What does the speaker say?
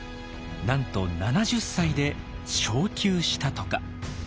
なんと７０歳で昇給したとか。